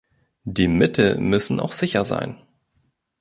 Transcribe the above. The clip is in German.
Die Mittel müssen auch sicher sein.